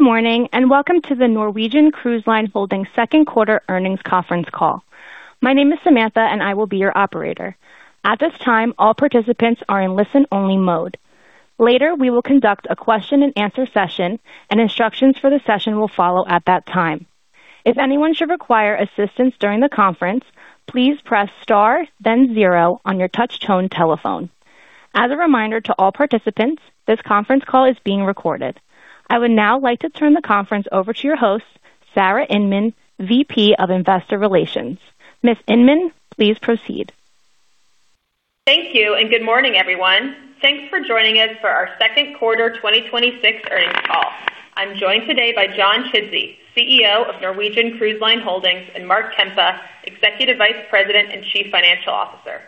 Good morning, welcome to the Norwegian Cruise Line Holdings Second Quarter Earnings Conference Call. My name is Samantha, I will be your operator. At this time, all participants are in listen-only mode. Later, we will conduct a question and answer session, instructions for the session will follow at that time. If anyone should require assistance during the conference, please press star then zero on your touch tone telephone. As a reminder to all participants, this conference call is being recorded. I would now like to turn the conference over to your host, Sarah Inmon, VP of Investor Relations. Ms. Inmon, please proceed. Thank you, good morning, everyone. Thanks for joining us for our second quarter 2026 earnings call. I'm joined today by John Chidsey, CEO of Norwegian Cruise Line Holdings, Mark Kempa, Executive Vice President and Chief Financial Officer.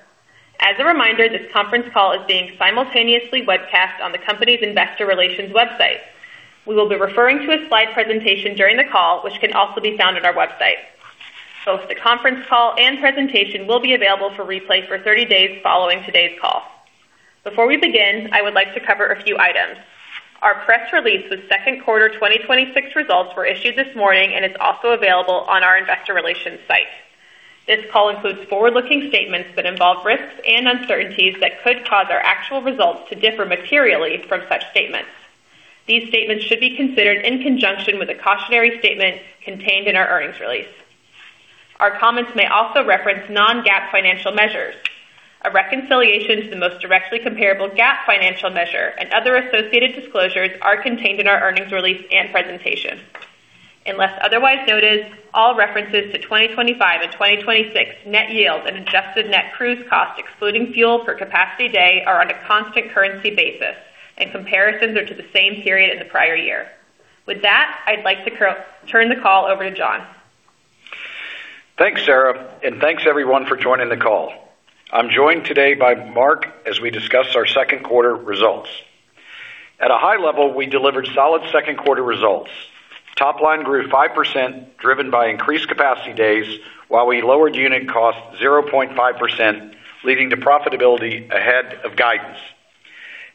As a reminder, this conference call is being simultaneously webcast on the company's investor relations website. We will be referring to a slide presentation during the call, which can also be found on our website. Both the conference call and presentation will be available for replay for 30 days following today's call. Before we begin, I would like to cover a few items. Our press release with second quarter 2026 results were issued this morning is also available on our investor relations site. This call includes forward-looking statements that involve risks and uncertainties that could cause our actual results to differ materially from such statements. These statements should be considered in conjunction with the cautionary statement contained in our earnings release. Our comments may also reference non-GAAP financial measures. A reconciliation to the most directly comparable GAAP financial measure and other associated disclosures are contained in our earnings release and presentation. Unless otherwise noted, all references to 2025 and 2026 Net Yields and Adjusted Net Cruise Cost excluding fuel per Capacity Day, are on a constant currency basis, comparisons are to the same period in the prior year. With that, I'd like to turn the call over to John. Thanks, Sarah, Thanks everyone for joining the call. I'm joined today by Mark as we discuss our second quarter results. At a high level, we delivered solid second quarter results. Top line grew 5%, driven by increased Capacity Days, while we lowered unit cost 0.5%, leading to profitability ahead of guidance.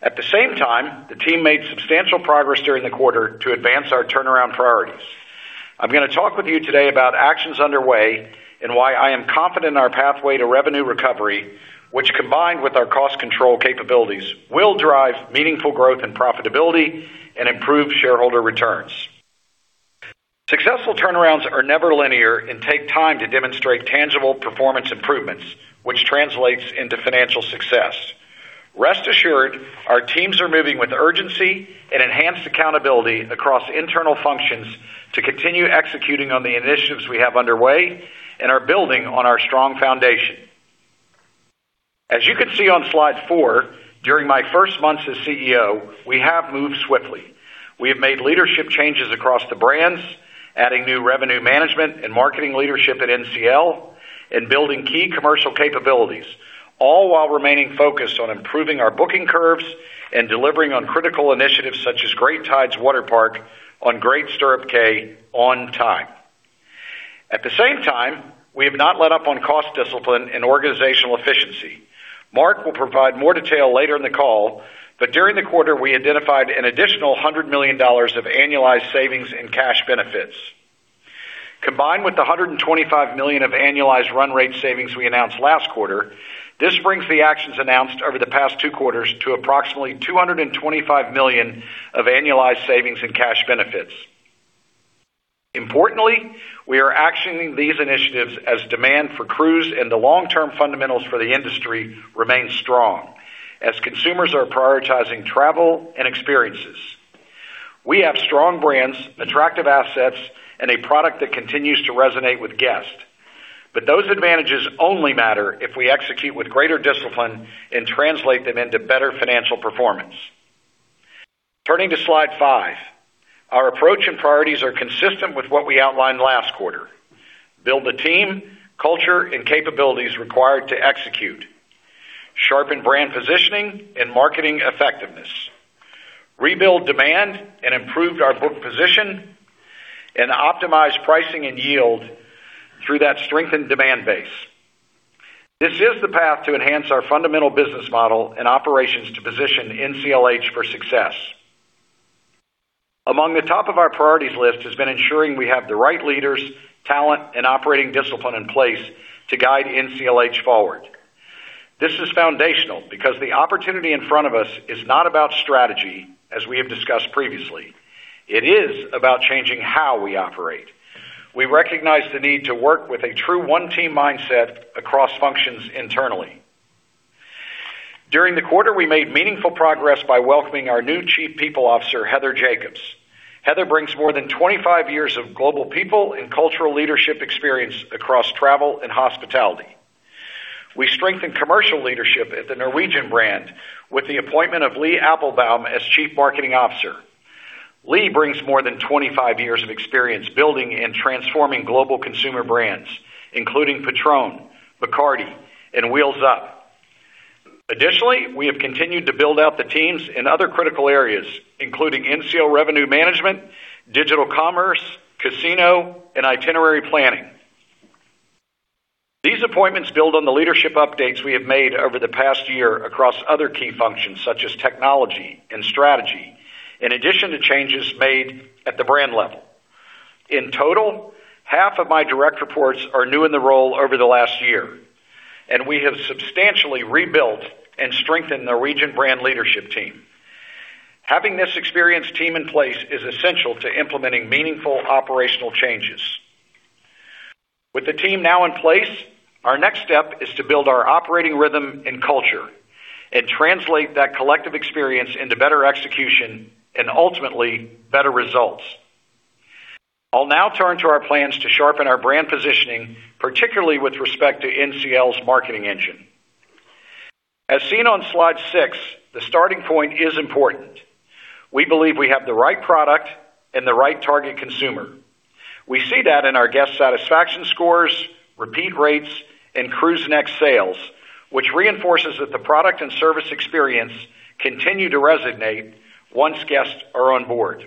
At the same time, the team made substantial progress during the quarter to advance our turnaround priorities. I'm going to talk with you today about actions underway why I am confident in our pathway to revenue recovery, which combined with our cost control capabilities, will drive meaningful growth and profitability Improve shareholder returns. Successful turnarounds are never linear Take time to demonstrate tangible performance improvements, which translates into financial success. Rest assured, our teams are moving with urgency and enhanced accountability across internal functions to continue executing on the initiatives we have underway and are building on our strong foundation. As you can see on slide four, during my first months as CEO, we have moved swiftly. We have made leadership changes across the brands, adding new revenue management and marketing leadership at NCL and building key commercial capabilities, all while remaining focused on improving our booking curves and delivering on critical initiatives such as Great Tides Waterpark on Great Stirrup Cay on time. At the same time, we have not let up on cost discipline and organizational efficiency. Mark will provide more detail later in the call, but during the quarter, we identified an additional $100 million of annualized savings and cash benefits. Combined with the $125 million of annualized run rate savings we announced last quarter, this brings the actions announced over the past two quarters to approximately $225 million of annualized savings and cash benefits. Importantly, we are actioning these initiatives as demand for cruise and the long-term fundamentals for the industry remain strong as consumers are prioritizing travel and experiences. We have strong brands, attractive assets, and a product that continues to resonate with guests. Those advantages only matter if we execute with greater discipline and translate them into better financial performance. Turning to slide five. Our approach and priorities are consistent with what we outlined last quarter: build the team, culture, and capabilities required to execute, sharpen brand positioning and marketing effectiveness, rebuild demand and improve our book position, and optimize pricing and yield through that strengthened demand base. This is the path to enhance our fundamental business model and operations to position NCLH for success. Among the top of our priorities list has been ensuring we have the right leaders, talent, and operating discipline in place to guide NCLH forward. This is foundational because the opportunity in front of us is not about strategy, as we have discussed previously. It is about changing how we operate. We recognize the need to work with a true one-team mindset across functions internally. During the quarter, we made meaningful progress by welcoming our new Chief People Officer, Heather Jacobs. Heather brings more than 25 years of global people and cultural leadership experience across travel and hospitality. We strengthened commercial leadership at the Norwegian brand with the appointment of Lee Applbaum as Chief Marketing Officer. Lee brings more than 25 years of experience building and transforming global consumer brands, including Patrón, Bacardi, and Wheels Up. Additionally, we have continued to build out the teams in other critical areas, including NCL revenue management, digital commerce, casino, and itinerary planning. These appointments build on the leadership updates we have made over the past year across other key functions, such as technology and strategy, in addition to changes made at the brand level. In total, half of my direct reports are new in the role over the last year, and we have substantially rebuilt and strengthened the Regent brand leadership team. Having this experienced team in place is essential to implementing meaningful operational changes. With the team now in place, our next step is to build our operating rhythm and culture and translate that collective experience into better execution and ultimately better results. I'll now turn to our plans to sharpen our brand positioning, particularly with respect to NCL's marketing engine. As seen on slide six, the starting point is important. We believe we have the right product and the right target consumer. We see that in our guest satisfaction scores, repeat rates, and CruiseNext sales, which reinforces that the product and service experience continue to resonate once guests are on board.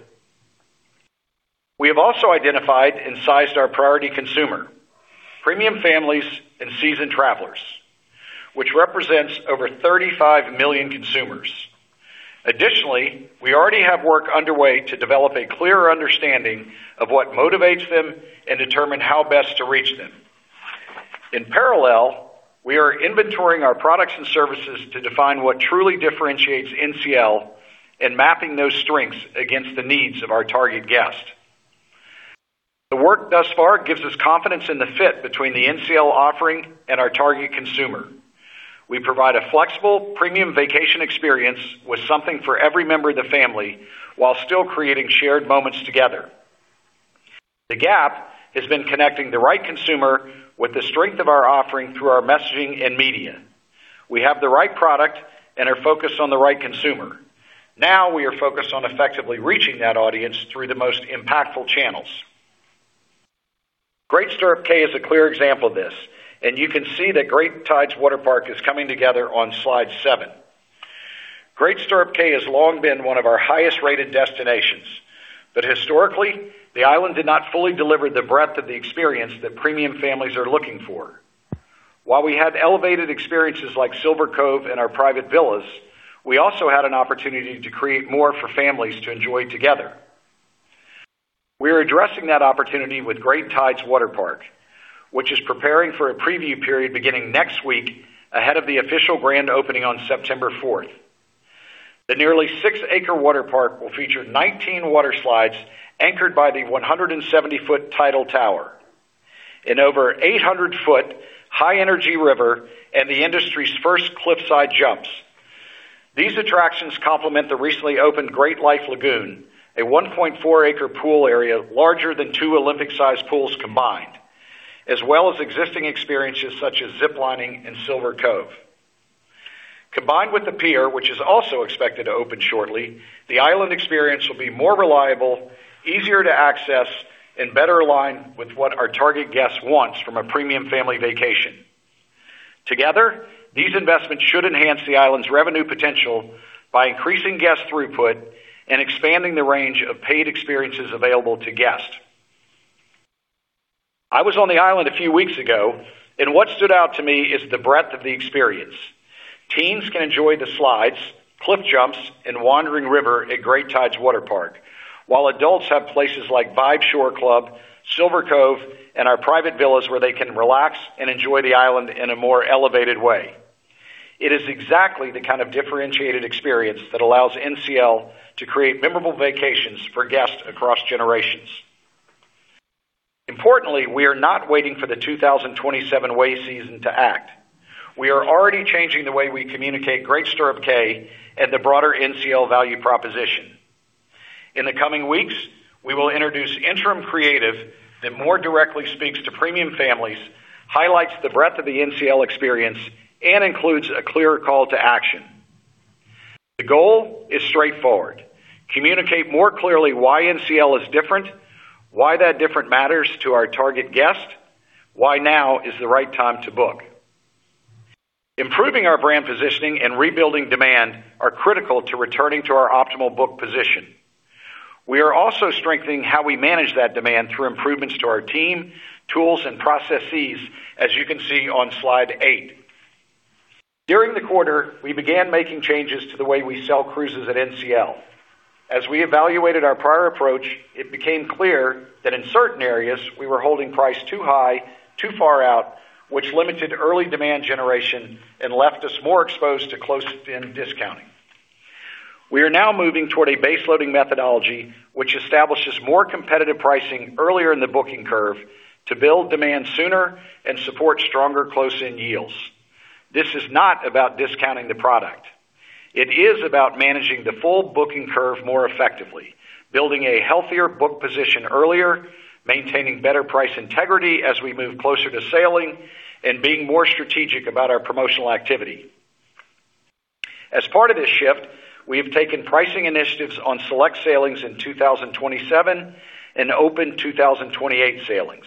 We have also identified and sized our priority consumer: premium families and seasoned travelers, which represents over 35 million consumers. Additionally, we already have work underway to develop a clearer understanding of what motivates them and determine how best to reach them. In parallel, we are inventorying our products and services to define what truly differentiates NCL and mapping those strengths against the needs of our target guests. The work thus far gives us confidence in the fit between the NCL offering and our target consumer. We provide a flexible premium vacation experience with something for every member of the family while still creating shared moments together. The gap has been connecting the right consumer with the strength of our offering through our messaging and media. We have the right product and are focused on the right consumer. Now we are focused on effectively reaching that audience through the most impactful channels. Great Stirrup Cay is a clear example of this, and you can see that Great Tides Water Park is coming together on slide seven. Great Stirrup Cay has long been one of our highest-rated destinations, but historically, the island did not fully deliver the breadth of the experience that premium families are looking for. While we had elevated experiences like Silver Cove and our private villas, we also had an opportunity to create more for families to enjoy together. We are addressing that opportunity with Great Tides Water Park, which is preparing for a preview period beginning next week ahead of the official grand opening on September 4th. The nearly six-acre water park will feature 19 water slides anchored by the 170 ft tidal tower, an over 800 ft high-energy river, and the industry's first cliffside jumps. These attractions complement the recently opened Great Life Lagoon, a 1.4-acre pool area larger than two Olympic-sized pools combined, as well as existing experiences such as zip-lining and Silver Cove. Combined with the pier, which is also expected to open shortly, the island experience will be more reliable, easier to access, and better aligned with what our target guest wants from a premium family vacation. Together, these investments should enhance the island's revenue potential by increasing guest throughput and expanding the range of paid experiences available to guests. I was on the island a few weeks ago, and what stood out to me is the breadth of the experience. Teens can enjoy the slides, cliff jumps, and wandering river at Great Tides Water Park, while adults have places like Vibe Beach Club, Silver Cove, and our private villas where they can relax and enjoy the island in a more elevated way. It is exactly the kind of differentiated experience that allows NCL to create memorable vacations for guests across generations. Importantly, we are not waiting for the 2027 Wave Season to act. We are already changing the way we communicate Great Stirrup Cay and the broader NCL value proposition. In the coming weeks, we will introduce interim creative that more directly speaks to premium families, highlights the breadth of the NCL experience, and includes a clear call to action. The goal is straightforward: communicate more clearly why NCL is different, why that difference matters to our target guest, why now is the right time to book. Improving our brand positioning and rebuilding demand are critical to returning to our optimal book position. We are also strengthening how we manage that demand through improvements to our team, tools, and processes, as you can see on slide eight. During the quarter, we began making changes to the way we sell cruises at NCL. As we evaluated our prior approach, it became clear that in certain areas we were holding price too high, too far out, which limited early demand generation and left us more exposed to close-in discounting. We are now moving toward a base-loading methodology, which establishes more competitive pricing earlier in the booking curve to build demand sooner and support stronger close-in yields. This is not about discounting the product. It is about managing the full booking curve more effectively, building a healthier book position earlier, maintaining better price integrity as we move closer to sailing, and being more strategic about our promotional activity. As part of this shift, we have taken pricing initiatives on select sailings in 2027 and opened 2028 sailings.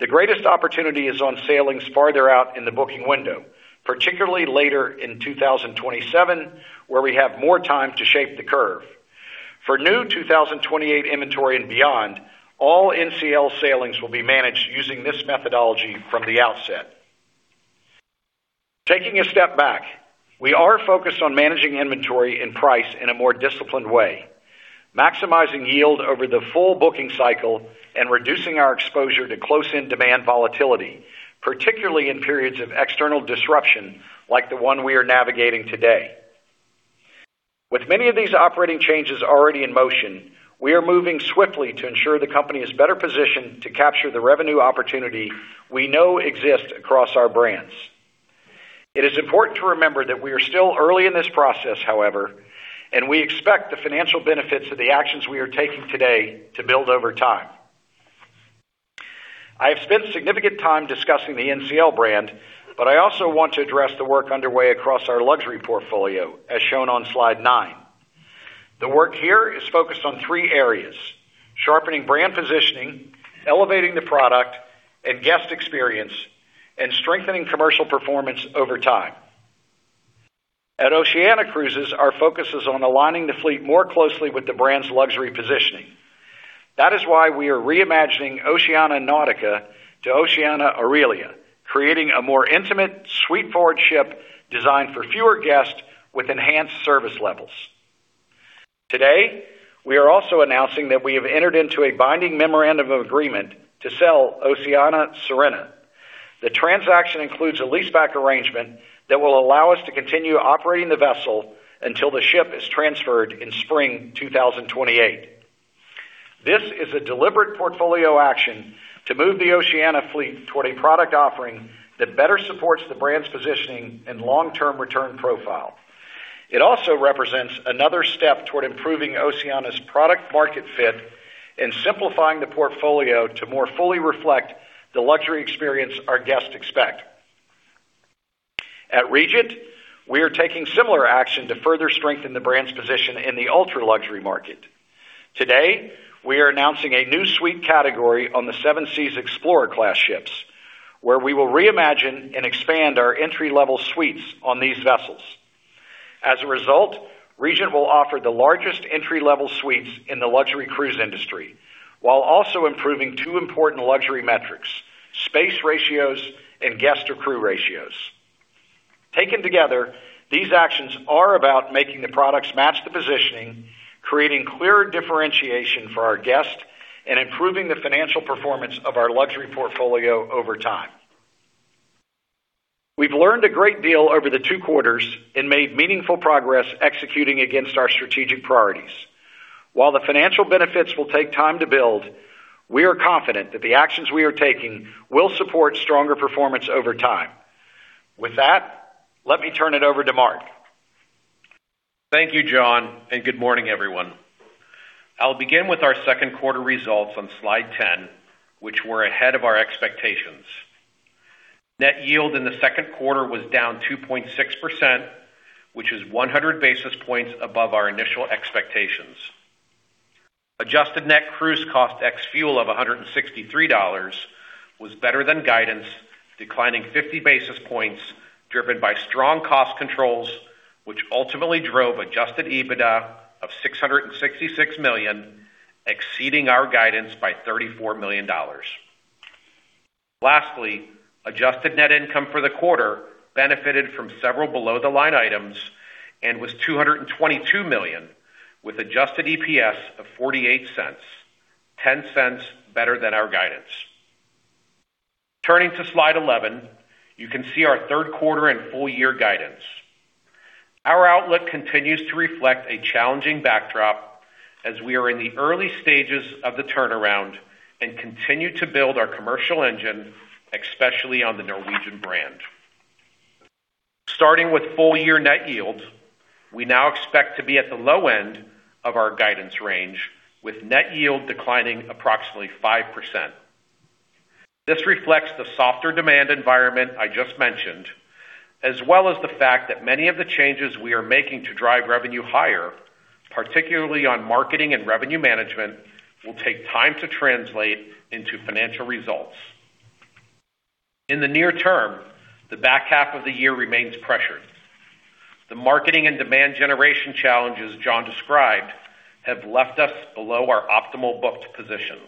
The greatest opportunity is on sailings farther out in the booking window, particularly later in 2027, where we have more time to shape the curve. For new 2028 inventory and beyond, all NCL sailings will be managed using this methodology from the outset. Taking a step back, we are focused on managing inventory and price in a more disciplined way, maximizing yield over the full booking cycle and reducing our exposure to close-in demand volatility, particularly in periods of external disruption like the one we are navigating today. With many of these operating changes already in motion, we are moving swiftly to ensure the company is better positioned to capture the revenue opportunity we know exists across our brands. It is important to remember that we are still early in this process, however, and we expect the financial benefits of the actions we are taking today to build over time. I have spent significant time discussing the NCL brand, but I also want to address the work underway across our luxury portfolio, as shown on slide nine. The work here is focused on three areas: sharpening brand positioning, elevating the product and guest experience, and strengthening commercial performance over time. At Oceania Cruises, our focus is on aligning the fleet more closely with the brand's luxury positioning. That is why we are reimagining Oceania Nautica to Oceania Aurelia, creating a more intimate suite forward ship designed for fewer guests with enhanced service levels. Today, we are also announcing that we have entered into a binding memorandum of agreement to sell Oceania Sirena. The transaction includes a leaseback arrangement that will allow us to continue operating the vessel until the ship is transferred in spring 2028. This is a deliberate portfolio action to move the Oceania fleet toward a product offering that better supports the brand's positioning and long-term return profile. It also represents another step toward improving Oceania's product market fit and simplifying the portfolio to more fully reflect the luxury experience our guests expect. At Regent, we are taking similar action to further strengthen the brand's position in the ultra-luxury market. Today, we are announcing a new suite category on the Seven Seas Explorer class ships, where we will reimagine and expand our entry-level suites on these vessels. As a result, Regent will offer the largest entry-level suites in the luxury cruise industry, while also improving two important luxury metrics, space ratios and guest-to-crew ratios. Taken together, these actions are about making the products match the positioning, creating clearer differentiation for our guests, and improving the financial performance of our luxury portfolio over time. We've learned a great deal over the two quarters and made meaningful progress executing against our strategic priorities. While the financial benefits will take time to build, we are confident that the actions we are taking will support stronger performance over time. With that, let me turn it over to Mark. Thank you, John. Good morning, everyone. I'll begin with our second quarter results on slide 10, which were ahead of our expectations. Net Yield in the second quarter was down 2.6%, which is 100 basis points above our initial expectations. Adjusted Net Cruise Cost ex. Fuel of $163 was better than guidance, declining 50 basis points, driven by strong cost controls, which ultimately drove adjusted EBITDA of $666 million, exceeding our guidance by $34 million. Lastly, adjusted net income for the quarter benefited from several below the line items and was $222 million, with adjusted EPS of $0.48, $0.10 better than our guidance. Turning to slide 11, you can see our third quarter and full-year guidance. Our outlook continues to reflect a challenging backdrop as we are in the early stages of the turnaround and continue to build our commercial engine, especially on the Norwegian brand. Starting with full-year Net Yields, we now expect to be at the low end of our guidance range, with Net Yield declining approximately 5%. This reflects the softer demand environment I just mentioned, as well as the fact that many of the changes we are making to drive revenue higher, particularly on marketing and revenue management, will take time to translate into financial results. In the near term, the back half of the year remains pressured. The marketing and demand generation challenges John described have left us below our optimal booked position.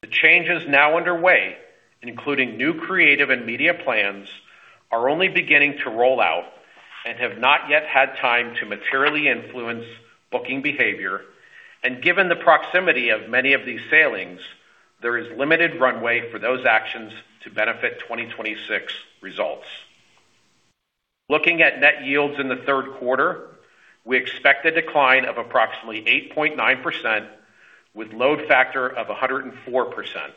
The changes now underway, including new creative and media plans, are only beginning to roll out and have not yet had time to materially influence booking behavior. Given the proximity of many of these sailings, there is limited runway for those actions to benefit 2026 results. Looking at Net Yields in the third quarter, we expect a decline of approximately 8.9% with load factor of 104%.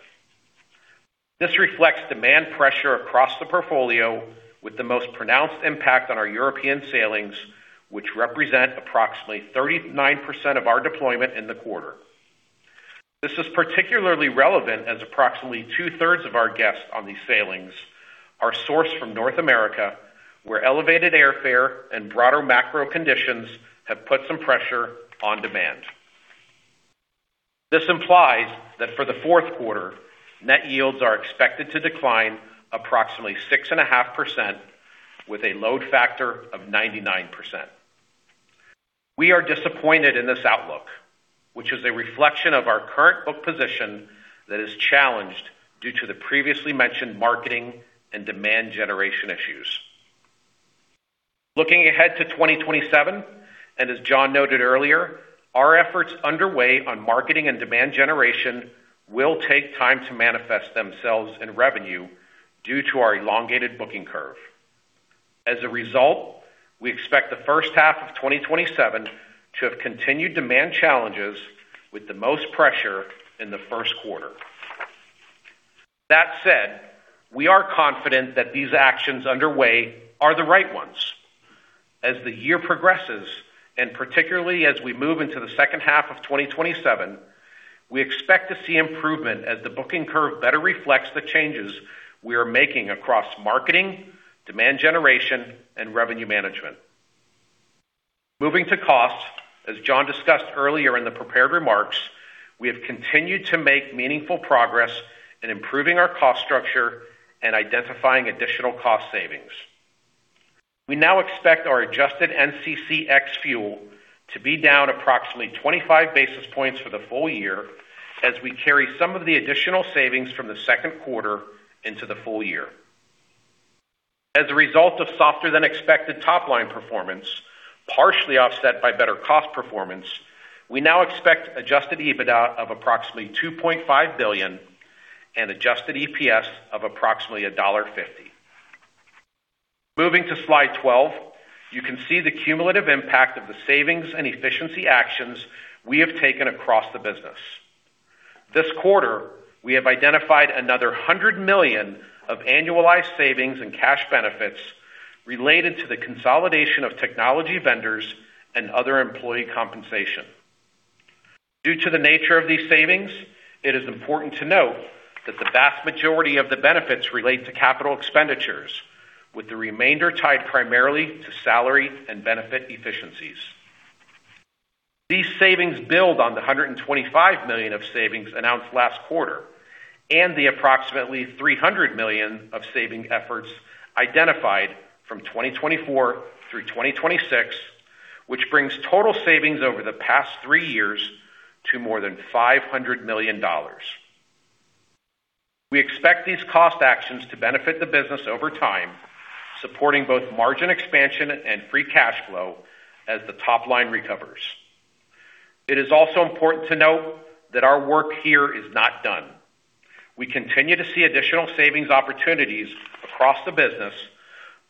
This reflects demand pressure across the portfolio with the most pronounced impact on our European sailings, which represent approximately 39% of our deployment in the quarter. This is particularly relevant as approximately 2/3 of our guests on these sailings are sourced from North America, where elevated airfare and broader macro conditions have put some pressure on demand. This implies that for the fourth quarter, Net Yields are expected to decline approximately 6.5% with a load factor of 99%. We are disappointed in this outlook, which is a reflection of our current book position that is challenged due to the previously mentioned marketing and demand generation issues. Looking ahead to 2027, as John noted earlier, our efforts underway on marketing and demand generation will take time to manifest themselves in revenue due to our elongated booking curve. As a result, we expect the first half of 2027 to have continued demand challenges with the most pressure in the first quarter. That said, we are confident that these actions underway are the right ones. As the year progresses, and particularly as we move into the second half of 2027, we expect to see improvement as the booking curve better reflects the changes we are making across marketing, demand generation, and revenue management. Moving to cost, as John discussed earlier in the prepared remarks, we have continued to make meaningful progress in improving our cost structure and identifying additional cost savings. We now expect our adjusted NCC ex-fuel to be down approximately 25 basis points for the full year as we carry some of the additional savings from the second quarter into the full year. As a result of softer than expected top-line performance, partially offset by better cost performance, we now expect adjusted EBITDA of approximately $2.5 billion and adjusted EPS of approximately $1.50. Moving to slide 12, you can see the cumulative impact of the savings and efficiency actions we have taken across the business. This quarter, we have identified another $100 million of annualized savings and cash benefits related to the consolidation of technology vendors and other employee compensation. Due to the nature of these savings, it is important to note that the vast majority of the benefits relate to capital expenditures, with the remainder tied primarily to salary and benefit efficiencies. These savings build on the $125 million of savings announced last quarter, and the approximately $300 million of saving efforts identified from 2024 through 2026, which brings total savings over the past three years to more than $500 million. We expect these cost actions to benefit the business over time, supporting both margin expansion and free cash flow as the top line recovers. It is also important to note that our work here is not done. We continue to see additional savings opportunities across the business,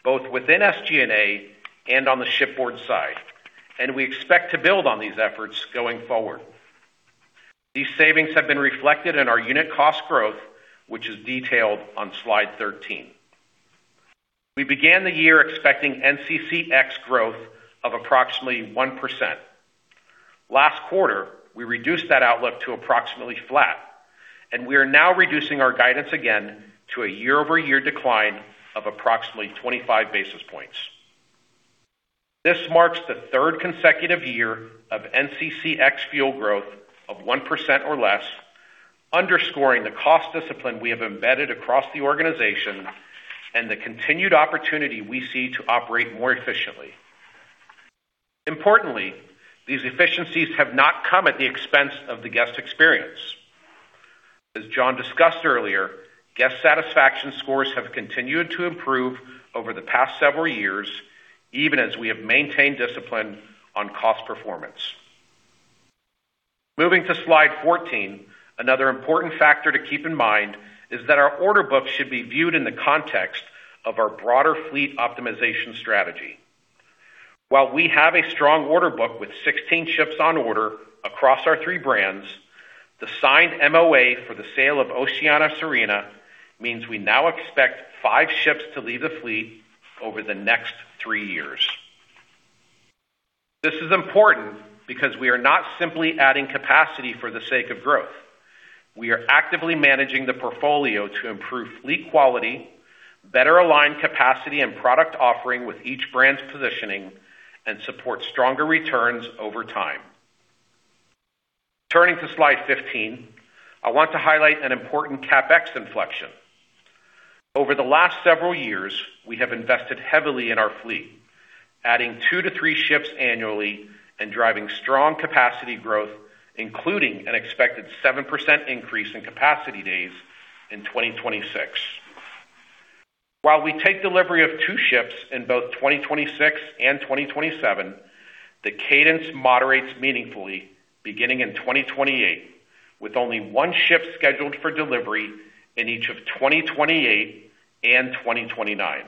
both within SG&A and on the shipboard side, and we expect to build on these efforts going forward. These savings have been reflected in our unit cost growth, which is detailed on slide 13. We began the year expecting NCC ex growth of approximately 1%. Last quarter, we reduced that outlook to approximately flat. We are now reducing our guidance again to a year-over-year decline of approximately 25 basis points. This marks the third consecutive year of NCC ex-fuel growth of 1% or less, underscoring the cost discipline we have embedded across the organization and the continued opportunity we see to operate more efficiently. These efficiencies have not come at the expense of the guest experience. As John discussed earlier, guest satisfaction scores have continued to improve over the past several years, even as we have maintained discipline on cost performance. Moving to slide 14, another important factor to keep in mind is that our order book should be viewed in the context of our broader fleet optimization strategy. While we have a strong order book with 16 ships on order across our three brands, the signed MOA for the sale of Oceania Sirena means we now expect five ships to leave the fleet over the next three years. This is important because we are not simply adding capacity for the sake of growth. We are actively managing the portfolio to improve fleet quality, better align capacity and product offering with each brand's positioning, and support stronger returns over time. Turning to slide 15, I want to highlight an important CapEx inflection. Over the last several years, we have invested heavily in our fleet, adding two to three ships annually and driving strong capacity growth, including an expected 7% increase in Capacity Days in 2026. While we take delivery of two ships in both 2026 and 2027, the cadence moderates meaningfully beginning in 2028, with only one ship scheduled for delivery in each of 2028 and 2029.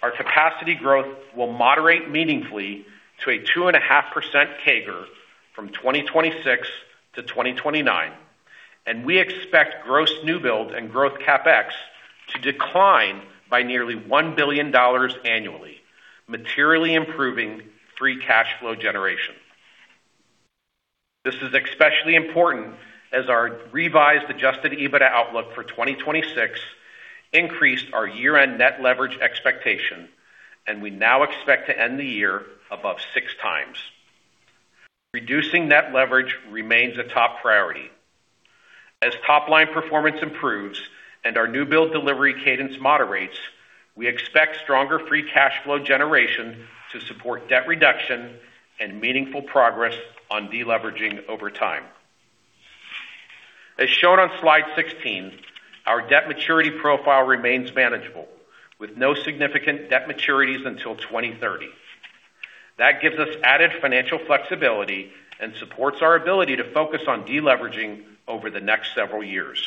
Our capacity growth will moderate meaningfully to a 2.5% CAGR from 2026 to 2029. We expect gross new build and growth CapEx to decline by nearly $1 billion annually, materially improving free cash flow generation. This is especially important as our revised adjusted EBITDA outlook for 2026 increased our year-end net leverage expectation. We now expect to end the year above six times. Reducing net leverage remains a top priority. Top-line performance improves and our new build delivery cadence moderates, we expect stronger free cash flow generation to support debt reduction and meaningful progress on de-leveraging over time. Shown on slide 16, our debt maturity profile remains manageable, with no significant debt maturities until 2030. That gives us added financial flexibility and supports our ability to focus on de-leveraging over the next several years.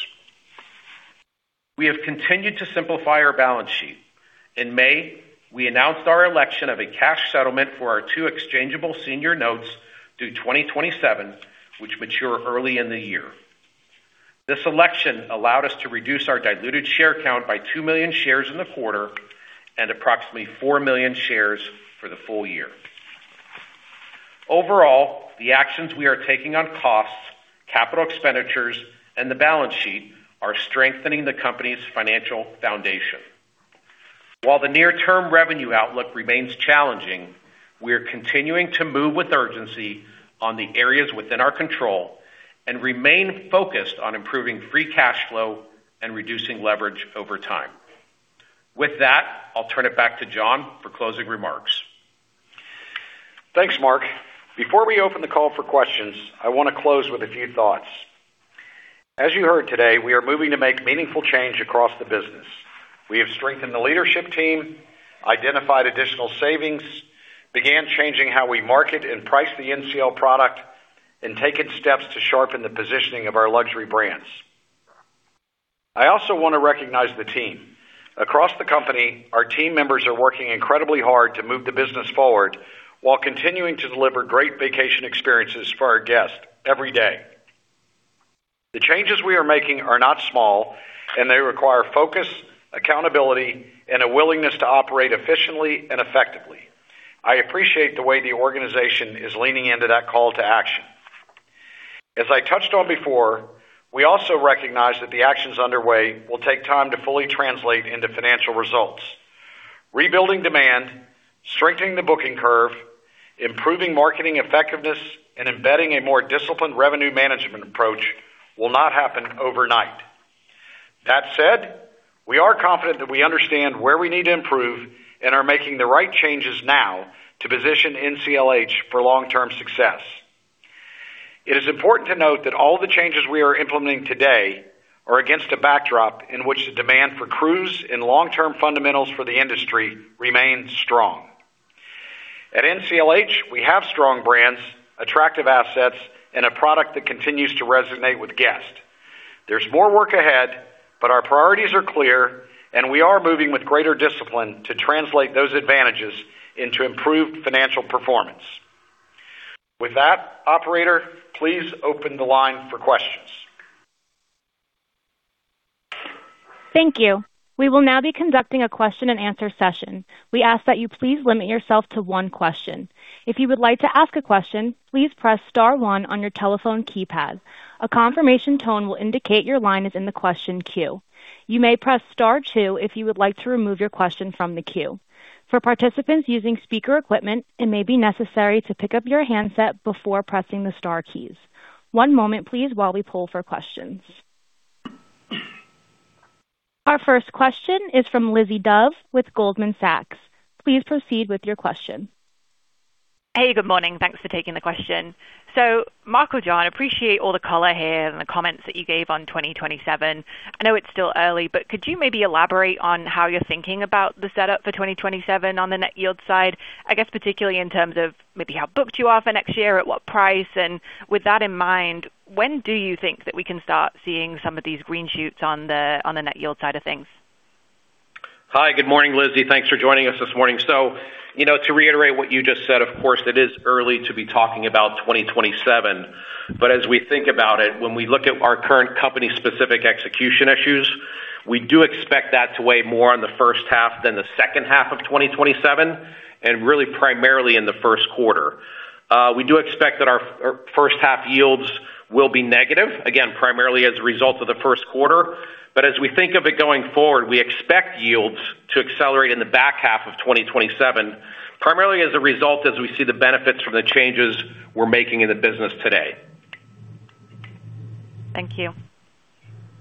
We have continued to simplify our balance sheet. In May, we announced our election of a cash settlement for our two Exchangeable Senior Notes due 2027, which mature early in the year. This election allowed us to reduce our diluted share count by 2 million shares in the quarter and approximately 4 million shares for the full year. The actions we are taking on costs, capital expenditures, and the balance sheet are strengthening the company's financial foundation. The near-term revenue outlook remains challenging, we are continuing to move with urgency on the areas within our control and remain focused on improving free cash flow and reducing leverage over time. With that, I'll turn it back to John for closing remarks. Thanks, Mark. Before we open the call for questions, I want to close with a few thoughts. As you heard today, we are moving to make meaningful change across the business. We have strengthened the leadership team, identified additional savings, began changing how we market and price the NCL product, and taken steps to sharpen the positioning of our luxury brands. I also want to recognize the team. Across the company, our team members are working incredibly hard to move the business forward while continuing to deliver great vacation experiences for our guests every day. The changes we are making are not small, and they require focus, accountability, and a willingness to operate efficiently and effectively. I appreciate the way the organization is leaning into that call to action. As I touched on before, we also recognize that the actions underway will take time to fully translate into financial results. Rebuilding demand, strengthening the booking curve, improving marketing effectiveness, and embedding a more disciplined revenue management approach will not happen overnight. That said, we are confident that we understand where we need to improve and are making the right changes now to position NCLH for long-term success. It is important to note that all the changes we are implementing today are against a backdrop in which the demand for cruise and long-term fundamentals for the industry remain strong. At NCLH, we have strong brands, attractive assets, and a product that continues to resonate with guests. There's more work ahead, but our priorities are clear, and we are moving with greater discipline to translate those advantages into improved financial performance. With that, operator, please open the line for questions. Thank you. We will now be conducting a question and answer session. We ask that you please limit yourself to one question. If you would like to ask a question, please press star one on your telephone keypad. A confirmation tone will indicate your line is in the question queue. You may press star two if you would like to remove your question from the queue. For participants using speaker equipment, it may be necessary to pick up your handset before pressing the star keys. One moment, please, while we pull for questions. Our first question is from Lizzie Dove with Goldman Sachs. Please proceed with your question. Hey, good morning. Thanks for taking the question. Mark or John, appreciate all the color here and the comments that you gave on 2027. I know it's still early, but could you maybe elaborate on how you're thinking about the setup for 2027 on the Net Yield side? I guess particularly in terms of maybe how booked you are for next year, at what price, and with that in mind, when do you think that we can start seeing some of these green shoots on the Net Yield side of things? Hi, good morning, Lizzie. Thanks for joining us this morning. To reiterate what you just said, of course, it is early to be talking about 2027, as we think about it, when we look at our current company-specific execution issues, we do expect that to weigh more on the first half than the second half of 2027, and really primarily in the first quarter. We do expect that our first half yields will be negative, again, primarily as a result of the first quarter. As we think of it going forward, we expect yields to accelerate in the back half of 2027, primarily as a result as we see the benefits from the changes we're making in the business today. Thank you.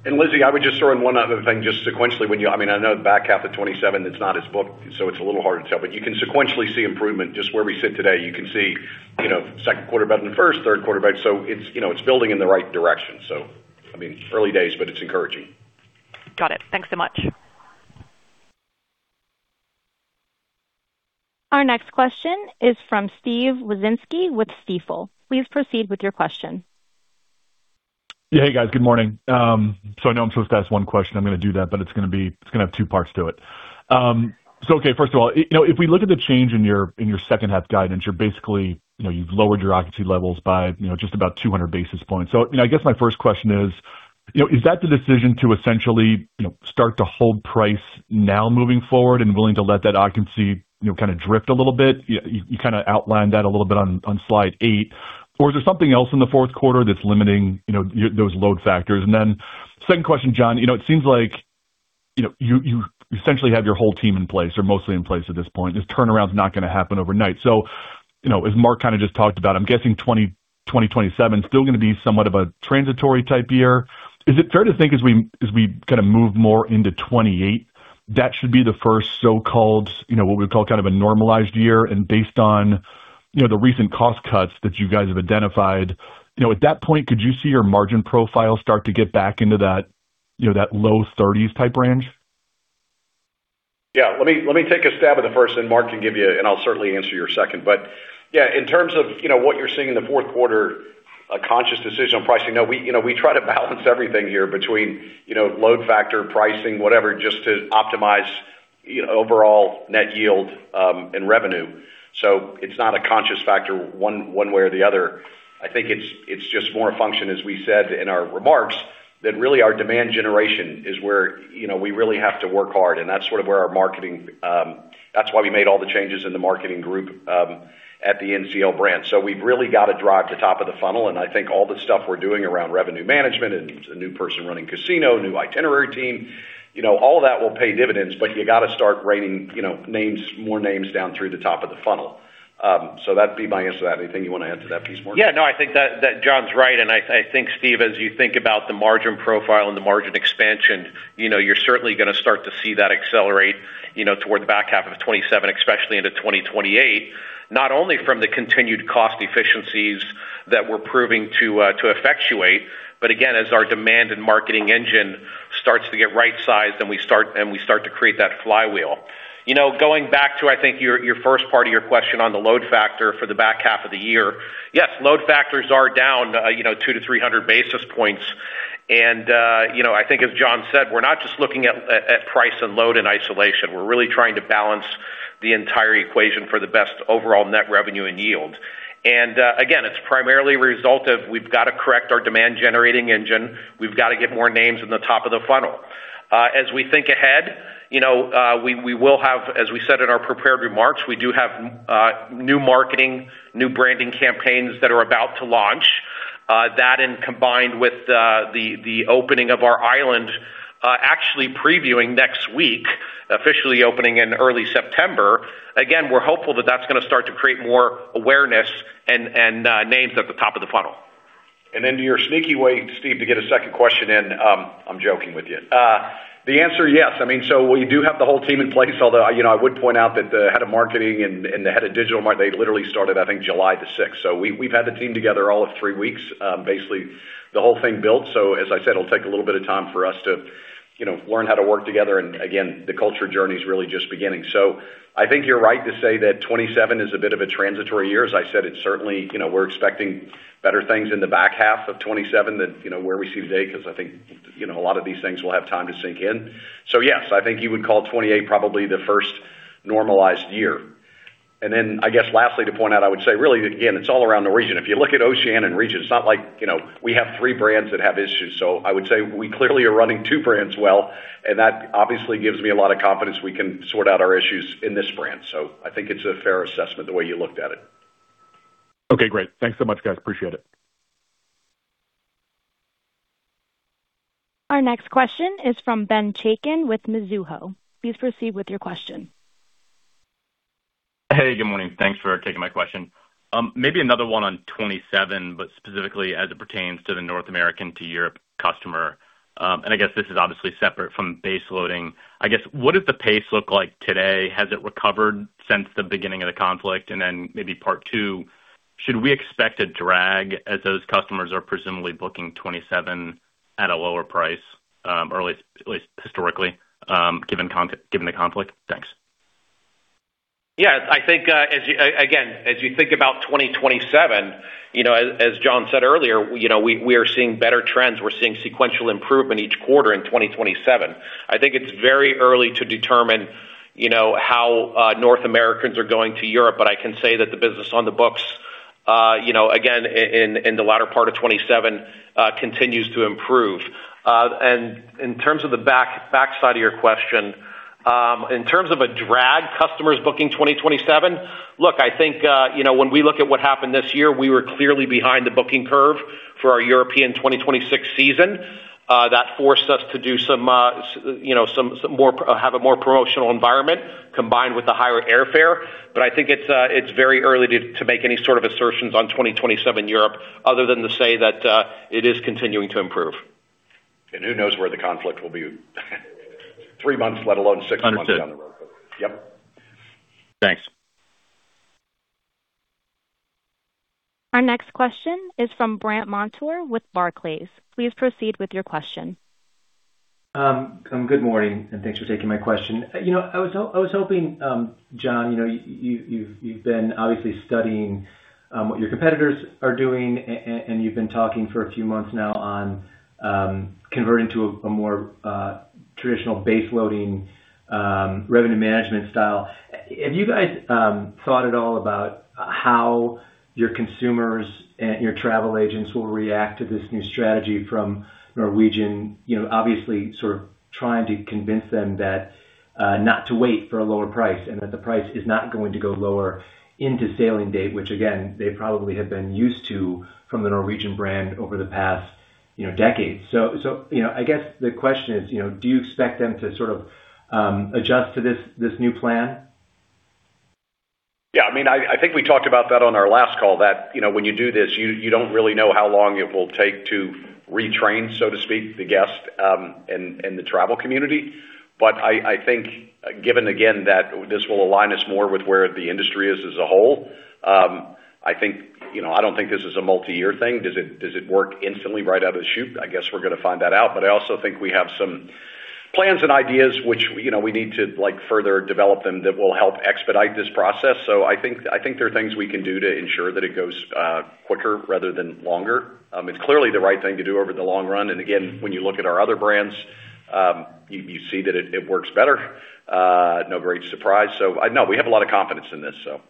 Lizzie, I would just throw in one other thing, just sequentially when I know the back half of 2027 is not as booked, it's a little hard to tell, you can sequentially see improvement. Just where we sit today, you can see second quarter better than the first, third quarter better. It's building in the right direction. Early days, it's encouraging. Got it. Thanks so much. Our next question is from Steve Wieczynski with Stifel. Please proceed with your question. Yeah. Hey, guys. Good morning. I know I'm supposed to ask one question. I'm going to do that, but it's going to have two parts to it. First of all, if we look at the change in your second half guidance, you're basically, you've lowered your occupancy levels by just about 200 basis points. I guess my first question is that the decision to essentially start to hold price now moving forward and willing to let that occupancy kind of drift a little bit? You kind of outlined that a little bit on slide eight, or is there something else in the fourth quarter that's limiting those load factors? Second question, John. It seems like you essentially have your whole team in place or mostly in place at this point. This turnaround's not going to happen overnight. As Mark kind of just talked about, I'm guessing 2027 is still going to be somewhat of a transitory type year. Is it fair to think, as we kind of move more into 2028, that should be the first so-called, what we would call kind of a normalized year and based on the recent cost cuts that you guys have identified. At that point, could you see your margin profile start to get back into that low 30s type range? Yeah. Let me take a stab at the first, then Mark can give you, and I'll certainly answer your second. In terms of what you're seeing in the fourth quarter, a conscious decision on pricing. We try to balance everything here between load factor, pricing, whatever, just to optimize overall Net Yield and revenue. It's not a conscious factor one way or the other. I think it's just more a function, as we said in our remarks, that really our demand generation is where we really have to work hard, and that's why we made all the changes in the marketing group at the NCL brand. We've really got to drive to the top of the funnel, and I think all the stuff we're doing around revenue management and a new person running casino, new itinerary team, all that will pay dividends. You got to start raining more names down through the top of the funnel. That'd be my answer to that. Anything you want to add to that piece, Mark? I think that John's right, and I think, Steve, as you think about the margin profile and the margin expansion, you're certainly going to start to see that accelerate toward the back half of 2027, especially into 2028. Not only from the continued cost efficiencies that we're proving to effectuate, but again, as our demand and marketing engine starts to get right-sized and we start to create that flywheel. Going back to, I think, your first part of your question on the load factor for the back half of the year. Yes, load factors are down 200-300 basis points, and I think as John said, we're not just looking at price and load in isolation. We're really trying to balance the entire equation for the best overall net revenue and yield. Again, it's primarily a result of we've got to correct our demand-generating engine. We've got to get more names in the top of the funnel. As we think ahead, we will have, as we said in our prepared remarks, we do have new marketing, new branding campaigns that are about to launch. That, and combined with the opening of our island, actually previewing next week, officially opening in early September. Again, we're hopeful that that's going to start to create more awareness and names at the top of the funnel. To your sneaky way, Steve, to get a second question in, I'm joking with you. The answer, yes. We do have the whole team in place. Although, I would point out that the head of marketing and the head of digital mark, they literally started, I think, July 6th. We've had the team together all of three weeks. Basically, the whole thing built. As I said, it'll take a little bit of time for us to learn how to work together. Again, the culture journey is really just beginning. I think you're right to say that 2027 is a bit of a transitory year. As I said, we're expecting better things in the back half of 2027 than where we see today, because I think a lot of these things will have time to sink in. Yes, I think you would call 2028 probably the first normalized year. I guess lastly to point out, I would say really, again, it's all around the Regent. If you look at Oceania and Regent, it's not like we have three brands that have issues. I would say we clearly are running two brands well, and that obviously gives me a lot of confidence we can sort out our issues in this brand. I think it's a fair assessment, the way you looked at it. Okay, great. Thanks so much, guys. Appreciate it. Our next question is from Ben Chaiken with Mizuho. Please proceed with your question. Hey, good morning. Thanks for taking my question. Maybe another one on 2027, specifically as it pertains to the North American to Europe customer. I guess this is obviously separate from base loading. I guess, what does the pace look like today? Has it recovered since the beginning of the conflict? Maybe part two, should we expect a drag as those customers are presumably booking 2027 at a lower price, or at least historically, given the conflict? Thanks. Yeah. I think, again, as you think about 2027, as John said earlier, we are seeing better trends. We are seeing sequential improvement each quarter in 2027. I think it is very early to determine how North Americans are going to Europe. I can say that the business on the books, again, in the latter part of 2027, continues to improve. In terms of the backside of your question, in terms of a drag, customers booking 2027. Look, I think, when we look at what happened this year, we were clearly behind the booking curve for our European 2026 season. That forced us to have a more promotional environment combined with the higher airfare. I think it is very early to make any sort of assertions on 2027 Europe other than to say that it is continuing to improve. Who knows where the conflict will be three months, let alone six months down the road. Understood. Yep. Thanks. Our next question is from Brandt Montour with Barclays. Please proceed with your question. Good morning, and thanks for taking my question. I was hoping, John, you've been obviously studying what your competitors are doing, and you've been talking for a few months now on converting to a more traditional base loading revenue management style. Have you guys thought at all about how your consumers and your travel agents will react to this new strategy from Norwegian? Obviously, sort of trying to convince them not to wait for a lower price and that the price is not going to go lower into sailing date, which again, they probably have been used to from the Norwegian brand over the past decades. I guess the question is, do you expect them to sort of adjust to this new plan? Yeah, I think we talked about that on our last call that, when you do this, you don't really know how long it will take to retrain, so to speak, the guest, and the travel community. I think, given again that this will align us more with where the industry is as a whole, I don't think this is a multi-year thing. Does it work instantly right out of the chute? I guess we're going to find that out. I also think we have some plans and ideas which we need to further develop them that will help expedite this process. I think there are things we can do to ensure that it goes quicker rather than longer. It's clearly the right thing to do over the long run. Again, when you look at our other brands, you see that it works better. No great surprise. No, we have a lot of confidence in this. It's the right thing to do.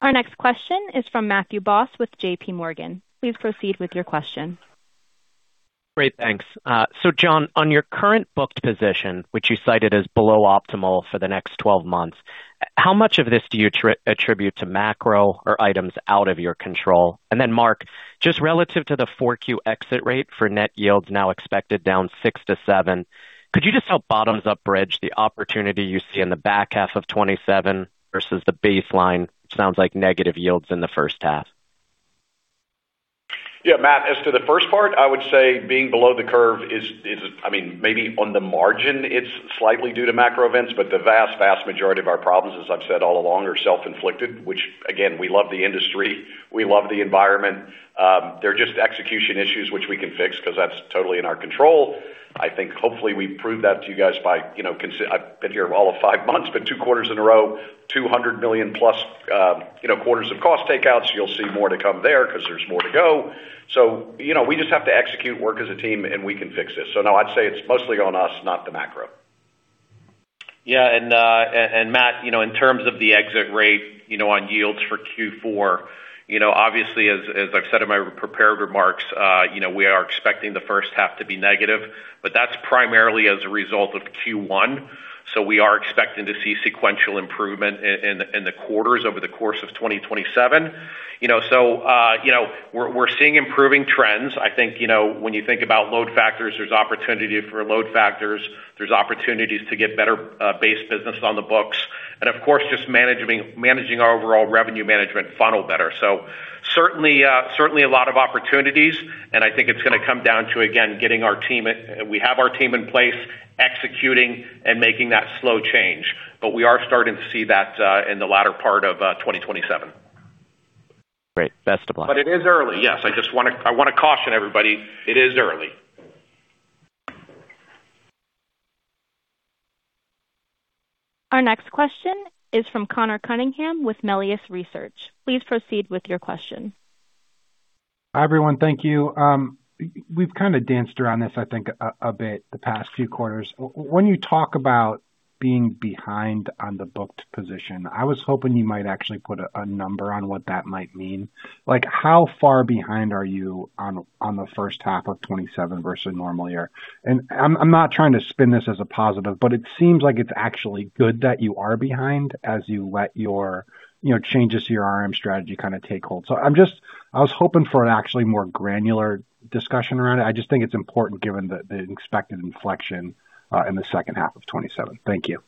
Our next question is from Matthew Boss with JPMorgan. Please proceed with your question. Great, thanks. John, on your current booked position, which you cited as below optimal for the next 12 months, how much of this do you attribute to macro or items out of your control? Mark, just relative to the 4Q exit rate for Net Yields now expected down 6%-7%, could you just help bottom up bridge the opportunity you see in the back half of 2027 versus the baseline, which sounds like negative yields in the first half? Yeah, Matt, as to the first part, I would say being below the curve is, maybe on the margin, it's slightly due to macro events, but the vast majority of our problems, as I've said all along, are self-inflicted, which again, we love the industry, we love the environment. They're just execution issues which we can fix because that's totally in our control. I think hopefully we proved that to you guys by, I've been here all of five months, but two quarters in a row, 200+ million quarters of cost takeouts. You'll see more to come there because there's more to go. We just have to execute work as a team, and we can fix this. No, I'd say it's mostly on us, not the macro. Yeah. Matt, in terms of the exit rate on yields for Q4, obviously, as I've said in my prepared remarks, we are expecting the first half to be negative, but that's primarily as a result of Q1. We are expecting to see sequential improvement in the quarters over the course of 2027. We're seeing improving trends. I think, when you think about load factors, there's opportunity for load factors, there's opportunities to get better base business on the books. Of course, just managing our overall revenue management funnel better. Certainly a lot of opportunities, and I think it's going to come down to, again, getting our team. We have our team in place executing and making that slow change. We are starting to see that in the latter part of 2027. Great. Best of luck. It is early. Yes. I want to caution everybody. It is early. Our next question is from Conor Cunningham with Melius Research. Please proceed with your question. Hi, everyone. Thank you. We've kind of danced around this, I think, a bit the past few quarters. When you talk about being behind on the booked position, I was hoping you might actually put a number on what that might mean. How far behind are you on the first half of 2027 versus a normal year? I'm not trying to spin this as a positive, it seems like it's actually good that you are behind as you let your changes to your RM strategy kind of take hold. I was hoping for an actually more granular discussion around it. I just think it's important given the expected inflection in the second half of 2027. Thank you.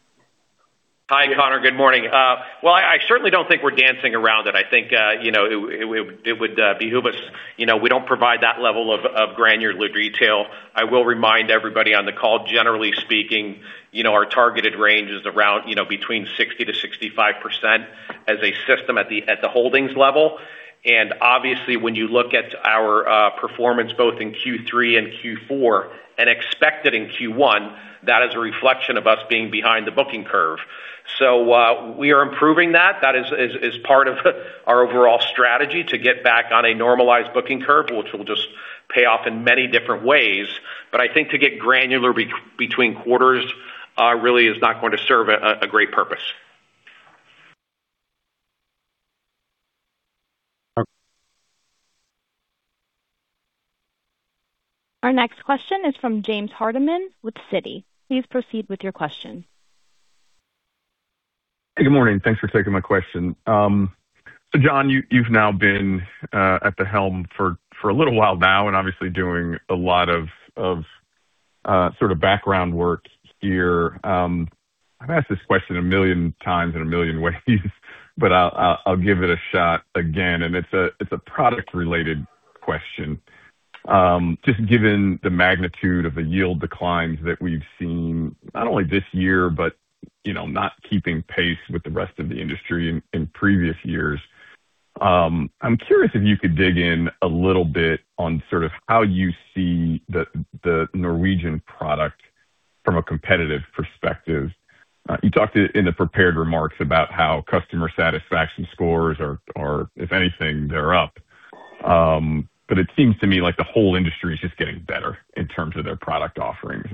Hi, Conor. Good morning. I certainly don't think we're dancing around it. I think it would behoove us. We don't provide that level of granular detail. I will remind everybody on the call, generally speaking, our targeted range is around between 60%-65% as a system at the holdings level. Obviously, when you look at our performance both in Q3 and Q4, and expected in Q1, that is a reflection of us being behind the booking curve. We are improving that. That is part of our overall strategy to get back on a normalized booking curve, which will just pay off in many different ways. I think to get granular between quarters really is not going to serve a great purpose. Our next question is from James Hardiman with Citi. Please proceed with your question. Good morning. Thanks for taking my question. John, you've now been at the helm for a little while now and obviously doing a lot of sort of background work here. I've asked this question a million times in a million ways, I'll give it a shot again, it's a product-related question. Just given the magnitude of the yield declines that we've seen, not only this year but not keeping pace with the rest of the industry in previous years, I'm curious if you could dig in a little bit on sort of how you see the Norwegian product from a competitive perspective. You talked in the prepared remarks about how customer satisfaction scores are, if anything, they're up. It seems to me like the whole industry is just getting better in terms of their product offerings.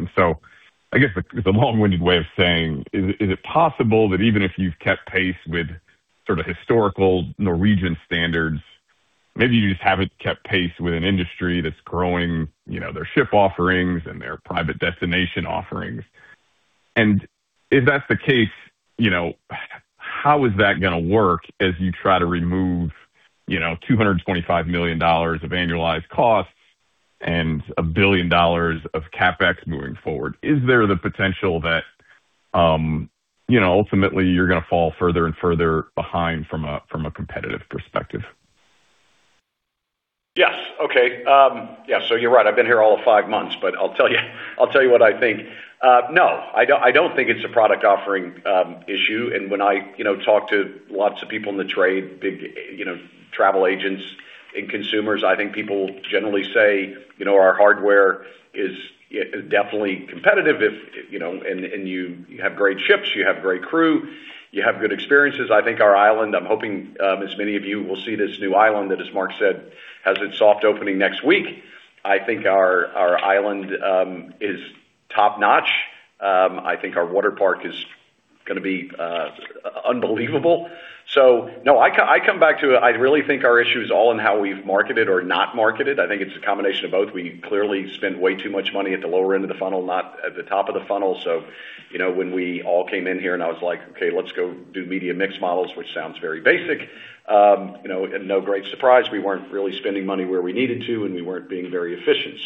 I guess it's a long-winded way of saying, is it possible that even if you've kept pace with sort of historical Norwegian standards, maybe you just haven't kept pace with an industry that's growing their ship offerings and their private destination offerings? If that's the case, how is that going to work as you try to remove $225 million of annualized costs and $1 billion of CapEx moving forward? Is there the potential that ultimately you're going to fall further and further behind from a competitive perspective? Yes. Okay. Yeah. You're right, I've been here all of five months, but I'll tell you what I think. No, I don't think it's a product offering issue. When I talk to lots of people in the trade, big travel agents and consumers, I think people generally say our hardware is definitely competitive. You have great ships, you have great crew, you have good experiences. I think our island, I'm hoping, as many of you will see this new island that, as Mark said, has its soft opening next week. I think our island is top-notch. I think our water park is going to be unbelievable. No, I come back to it. I really think our issue is all in how we've marketed or not marketed. I think it's a combination of both. We clearly spent way too much money at the lower end of the funnel, not at the top of the funnel. When we all came in here and I was like, "Okay, let's go do media mix models," which sounds very basic. No great surprise, we weren't really spending money where we needed to, and we weren't being very efficient.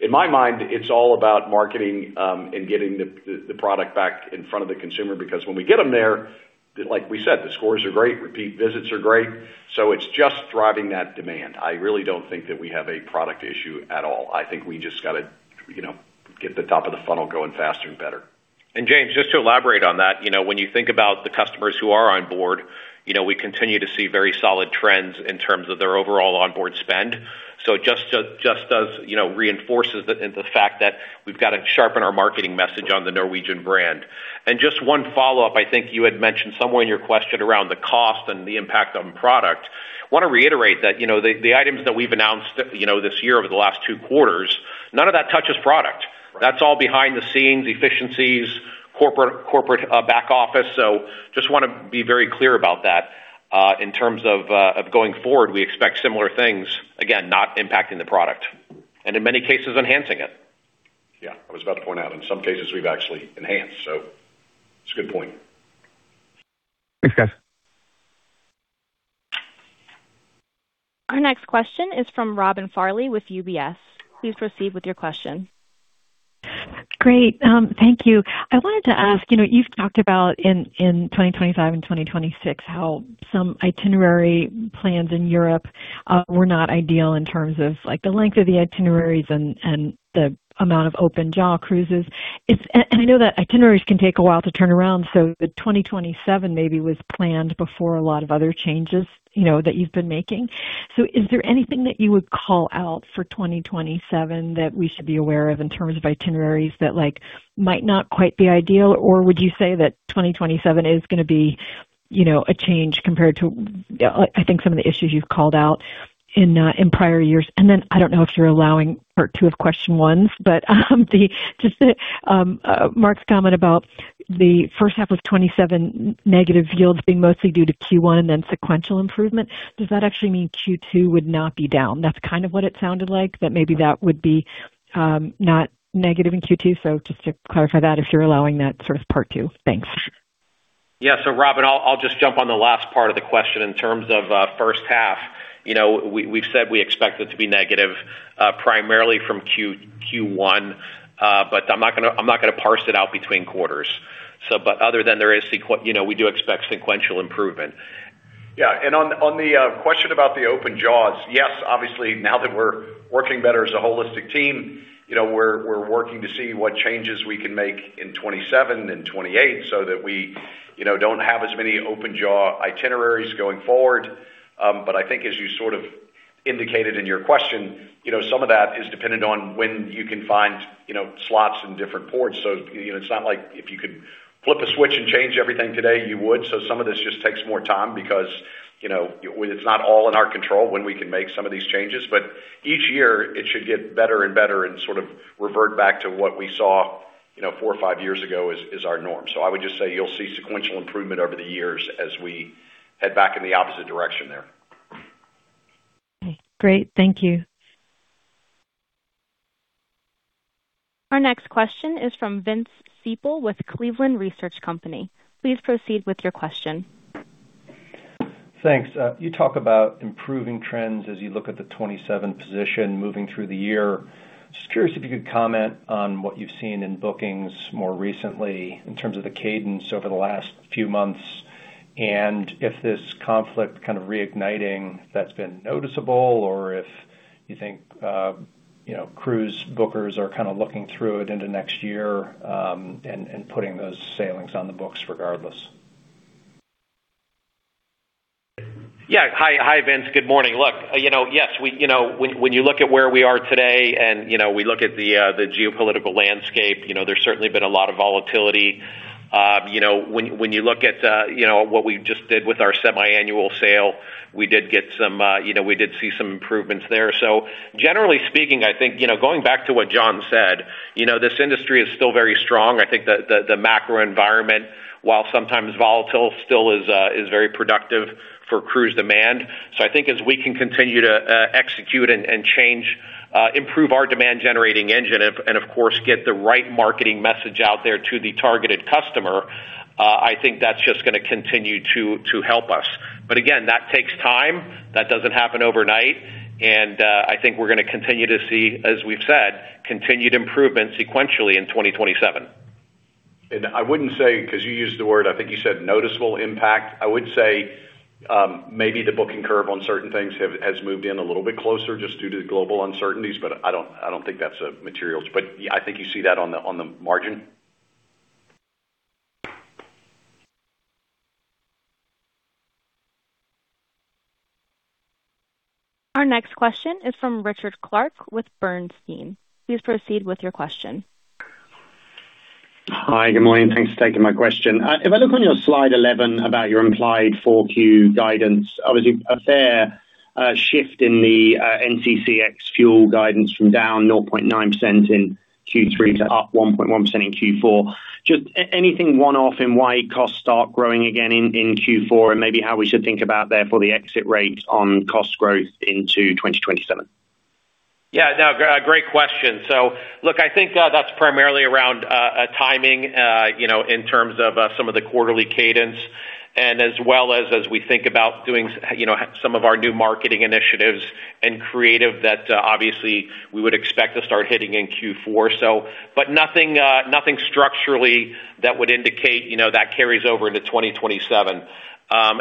In my mind, it's all about marketing and getting the product back in front of the consumer, because when we get them there, like we said, the scores are great, repeat visits are great. It's just driving that demand. I really don't think that we have a product issue at all. I think we just got to get the top of the funnel going faster and better. James, just to elaborate on that, when you think about the customers who are on board, we continue to see very solid trends in terms of their overall onboard spend. It just reinforces the fact that we've got to sharpen our marketing message on the Norwegian brand. Just one follow-up, I think you had mentioned somewhere in your question around the cost and the impact on product. I want to reiterate that the items that we've announced this year over the last two quarters, none of that touches product. That's all behind the scenes efficiencies, corporate back office. Just want to be very clear about that. In terms of going forward, we expect similar things, again, not impacting the product, and in many cases enhancing it. Yeah, I was about to point out, in some cases, we've actually enhanced, so it's a good point. Thanks, guys. Our next question is from Robin Farley with UBS. Please proceed with your question. Great. Thank you. I wanted to ask, you've talked about in 2025 and 2026 how some itinerary plans in Europe were not ideal in terms of the length of the itineraries and the amount of open jaw cruises. I know that itineraries can take a while to turn around, the 2027 maybe was planned before a lot of other changes that you've been making. Is there anything that you would call out for 2027 that we should be aware of in terms of itineraries that might not quite be ideal? Would you say that 2027 is going to be a change compared to, I think, some of the issues you've called out in prior years? I don't know if you're allowing part two of question ones, but just Mark's comment about the first half of 2027 negative yields being mostly due to Q1, then sequential improvement. Does that actually mean Q2 would not be down? That's kind of what it sounded like, that maybe that would be not negative in Q2. Just to clarify that, if you're allowing that sort of part two. Thanks. Robin, I'll just jump on the last part of the question in terms of first half. We've said we expect it to be negative, primarily from Q1, I'm not going to parse it out between quarters. Other than we do expect sequential improvement. On the question about the open jaws. Yes, obviously, now that we're working better as a holistic team, we're working to see what changes we can make in 2027 and 2028 so that we don't have as many open jaw itineraries going forward. I think as you sort of indicated in your question, some of that is dependent on when you can find slots in different ports. It's not like if you could flip a switch and change everything today, you would. Some of this just takes more time because it's not all in our control when we can make some of these changes. Each year it should get better and better and sort of revert back to what we saw four or five years ago as our norm. I would just say you'll see sequential improvement over the years as we head back in the opposite direction there. Okay. Great. Thank you. Our next question is from Vince Ciepiel with Cleveland Research Company. Please proceed with your question. Thanks. You talk about improving trends as you look at the 2027 position moving through the year. Just curious if you could comment on what you've seen in bookings more recently in terms of the cadence over the last few months, and if this conflict kind of reigniting that's been noticeable or if you think cruise bookers are kind of looking through it into next year and putting those sailings on the books regardless. Hi, Vince. Good morning. Look, yes, when you look at where we are today and we look at the geopolitical landscape, there's certainly been a lot of volatility. When you look at what we just did with our semi-annual sale, we did see some improvements there. Generally speaking, I think going back to what John said, this industry is still very strong. I think the macro environment, while sometimes volatile, still is very productive for cruise demand. I think as we can continue to execute and change improve our demand generating engine and of course, get the right marketing message out there to the targeted customer, I think that's just going to continue to help us. Again, that takes time. That doesn't happen overnight, I think we're going to continue to see, as we've said, continued improvement sequentially in 2027. I wouldn't say, because you used the word, I think you said noticeable impact. I would say, maybe the booking curve on certain things has moved in a little bit closer just due to the global uncertainties, but I don't think that's material. I think you see that on the margin. Our next question is from Richard Clarke with Bernstein. Please proceed with your question. Hi, good morning. Thanks for taking my question. If I look on your slide 11 about your implied 4Q guidance, obviously a fair shift in the NCC ex-fuel guidance from down 0.9% in Q3 to up 1.1% in Q4. Just anything one-off in why costs start growing again in Q4 and maybe how we should think about therefore the exit rates on cost growth into 2027? Yeah. No, great question. Look, I think that's primarily around timing in terms of some of the quarterly cadence, and as well as we think about doing some of our new marketing initiatives and creative that obviously we would expect to start hitting in Q4. Nothing structurally that would indicate that carries over into 2027.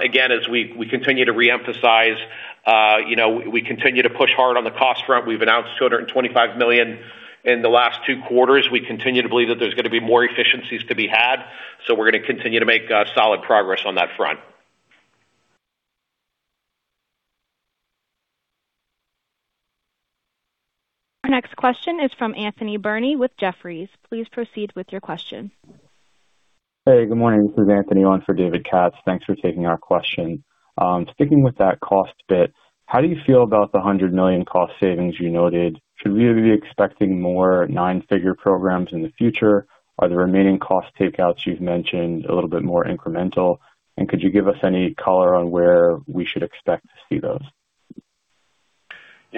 Again, as we continue to reemphasize, we continue to push hard on the cost front. We've announced $225 million in the last two quarters. We continue to believe that there's going to be more efficiencies to be had, so we're going to continue to make solid progress on that front. Our next question is from Anthony Berni with Jefferies. Please proceed with your question. Hey, good morning. This is Anthony on for David Katz. Thanks for taking our question. Sticking with that cost bit, how do you feel about the $100 million cost savings you noted? Should we really be expecting more nine-figure programs in the future? Are the remaining cost takeouts you've mentioned a little bit more incremental? Could you give us any color on where we should expect to see those?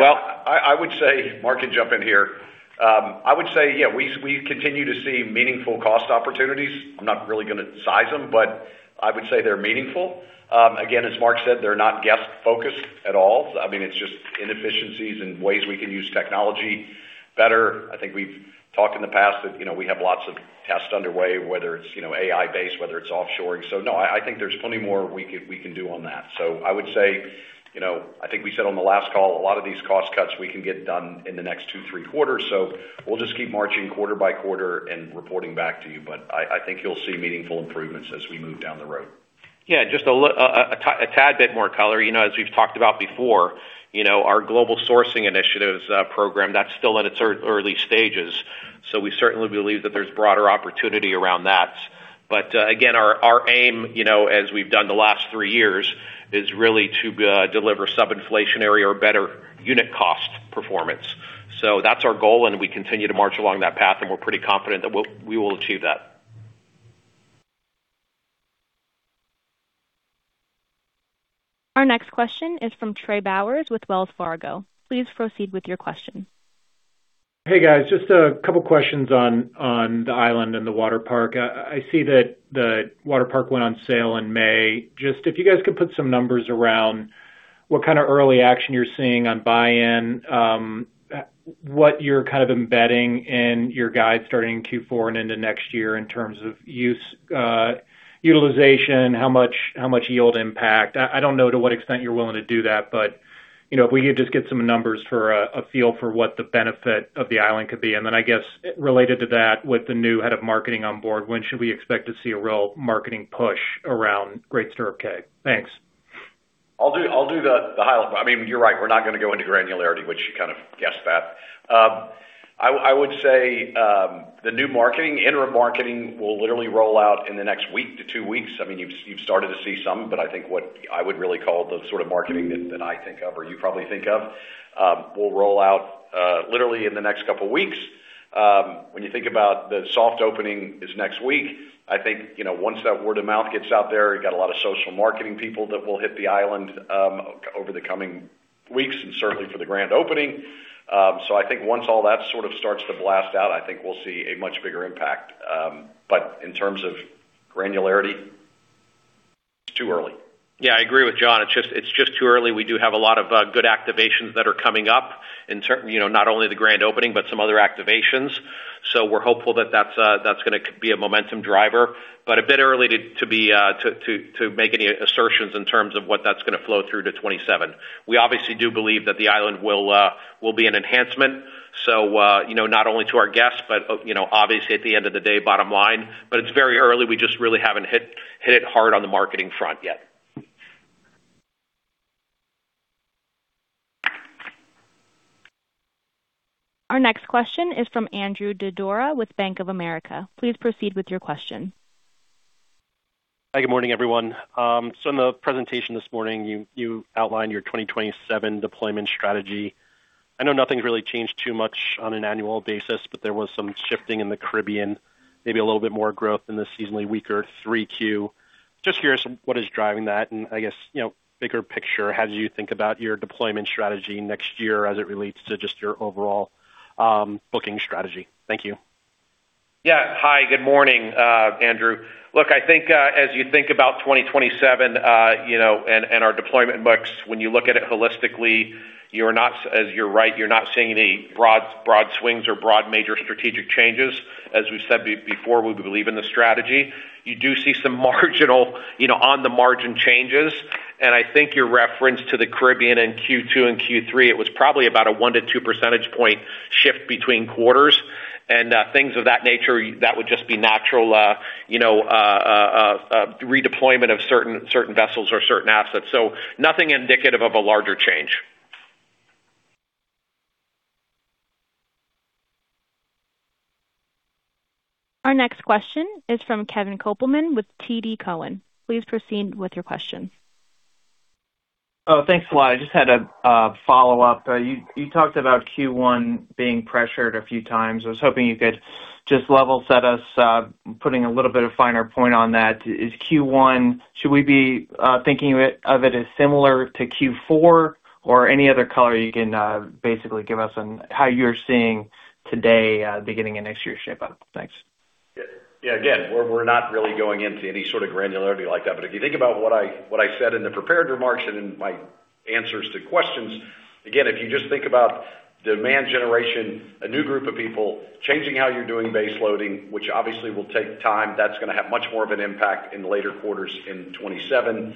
I would say, Mark can jump in here. I would say, yeah, we continue to see meaningful cost opportunities. I'm not really going to size them, but I would say they're meaningful. Again, as Mark said, they're not guest focused at all. It's just inefficiencies and ways we can use technology better. I think we've talked in the past that we have lots of tests underway, whether it's AI based, whether it's offshoring. No, I think there's plenty more we can do on that. I would say, I think we said on the last call, a lot of these cost cuts we can get done in the next two, three quarters. We'll just keep marching quarter by quarter and reporting back to you. I think you'll see meaningful improvements as we move down the road. Just a tad bit more color. As we've talked about before, our Global Sourcing Initiatives Program, that's still at its early stages, we certainly believe that there's broader opportunity around that. Again, our aim, as we've done the last three years, is really to deliver sub-inflationary or better unit cost performance. That's our goal and we continue to march along that path, and we're pretty confident that we will achieve that. Our next question is from Trey Bowers with Wells Fargo. Please proceed with your question. Hey, guys. Just a couple questions on the island and the water park. I see that the water park went on sale in May. Just if you guys could put some numbers around what kind of early action you're seeing on buy-in, what you're kind of embedding in your guide starting in Q4 and into next year in terms of use, utilization, how much yield impact. I don't know to what extent you're willing to do that, but if we could just get some numbers for a feel for what the benefit of the island could be. I guess related to that, with the new head of marketing on board, when should we expect to see a real marketing push around Great Stirrup Cay? Thanks. I'll do the highlight. You're right, we're not going to go into granularity, which you kind of guessed that. I would say, the new marketing, interim marketing will literally roll out in the next week to two weeks. You've started to see some, I think what I would really call the sort of marketing that I think of or you probably think of, will roll out literally in the next couple of weeks. When you think about the soft opening is next week, I think, once that word of mouth gets out there, you've got a lot of social marketing people that will hit the island over the coming weeks and certainly for the grand opening. I think once all that sort of starts to blast out, I think we'll see a much bigger impact. In terms of granularity, it's too early. Yeah, I agree with John. It's just too early. We do have a lot of good activations that are coming up in not only the grand opening, but some other activations. We're hopeful that that's going to be a momentum driver, but a bit early to make any assertions in terms of what that's going to flow through to 2027. We obviously do believe that the island will be an enhancement. Not only to our guests, but obviously at the end of the day, bottom line. It's very early. We just really haven't hit it hard on the marketing front yet. Our next question is from Andrew Didora with Bank of America. Please proceed with your question. Hi, good morning, everyone. In the presentation this morning, you outlined your 2027 deployment strategy. I know nothing's really changed too much on an annual basis, but there was some shifting in the Caribbean, maybe a little bit more growth in the seasonally weaker 3Q. I am just curious what is driving that. I guess, bigger picture, how do you think about your deployment strategy next year as it relates to just your overall booking strategy? Thank you. Yeah. Hi, good morning, Andrew. Look, I think as you think about 2027, and our deployment books, when you look at it holistically, as you're right, you're not seeing any broad swings or broad major strategic changes. As we've said before, we believe in the strategy. You do see some marginal, on the margin changes, and I think your reference to the Caribbean in Q2 and Q3, it was probably about a one to two percentage point shift between quarters, and things of that nature, that would just be natural redeployment of certain vessels or certain assets. Nothing indicative of a larger change. Our next question is from Kevin Kopelman with TD Cowen. Please proceed with your question. Thanks a lot. I just had a follow-up. You talked about Q1 being pressured a few times. I was hoping you could just level set us, putting a little bit of finer point on that. Is Q1, should we be thinking of it as similar to Q4 or any other color you can basically give us on how you're seeing today beginning of next year shape up? Thanks. Yeah. Again, we're not really going into any sort of granularity like that. If you think about what I said in the prepared remarks and in my answers to questions, again, if you just think about demand generation, a new group of people changing how you're doing base loading, which obviously will take time, that's going to have much more of an impact in later quarters in 2027,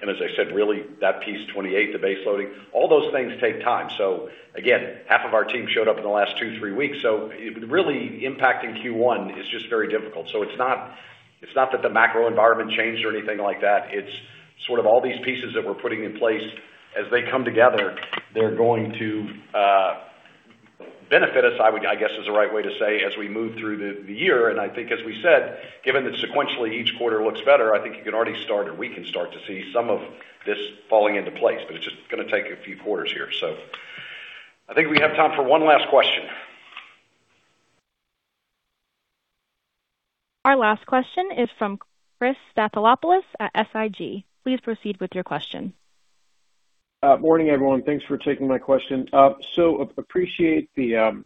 and as I said, really that piece 2028, the base loading, all those things take time. Again, half of our team showed up in the last two, three weeks, really impacting Q1 is just very difficult. It's not that the macro environment changed or anything like that. It's sort of all these pieces that we're putting in place. As they come together, they're going to benefit us, I guess is the right way to say, as we move through the year. I think as we said, given that sequentially each quarter looks better, I think you can already start, or we can start to see some of this falling into place, but it's just going to take a few quarters here. I think we have time for one last question. Our last question is from Chris Stathoulopoulos at SIG. Please proceed with your question. Morning, everyone. Thanks for taking my question. Appreciate the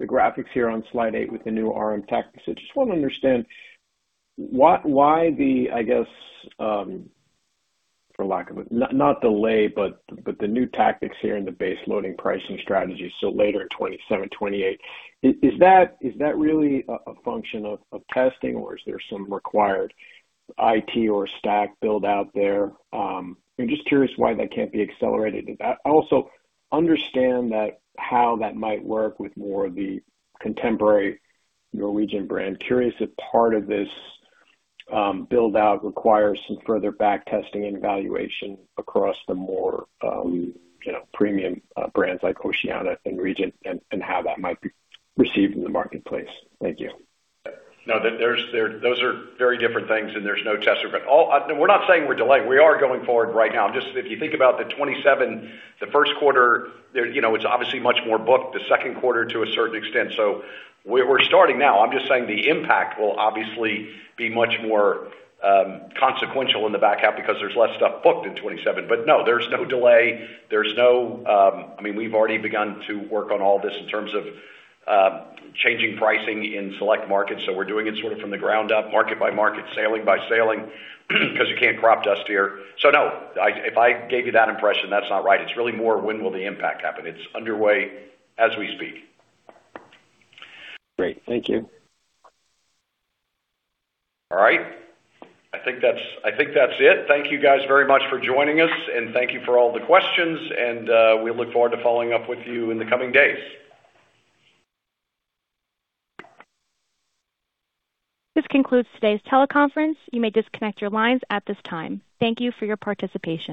graphics here on slide eight with the new RM tactics. I just want to understand why the, I guess, not delay, but the new tactics here in the base loading pricing strategy, later in 2027, 2028. Is that really a function of testing or is there some required IT or stack build-out there? I'm just curious why that can't be accelerated. I also understand that how that might work with more of the contemporary Norwegian brand. Curious if part of this build-out requires some further back testing and evaluation across the more premium brands like Oceania and Regent, and how that might be received in the marketplace. Thank you. No, those are very different things. There's no tester. We're not saying we're delayed. We are going forward right now. If you think about the 2027, the first quarter, it's obviously much more booked, the second quarter to a certain extent. We're starting now. I'm just saying the impact will obviously be much more consequential in the back half because there's less stuff booked in 2027. No, there's no delay. We've already begun to work on all this in terms of changing pricing in select markets. We're doing it sort of from the ground up, market by market, sailing by sailing, because you can't crop dust here. No, if I gave you that impression, that's not right. It's really more when will the impact happen? It's underway as we speak. Great. Thank you. All right. I think that's it. Thank you guys very much for joining us. Thank you for all the questions. We look forward to following up with you in the coming days. This concludes today's teleconference. You may disconnect your lines at this time. Thank you for your participation.